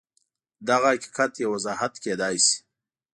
دغه حقیقت یو وضاحت کېدای شي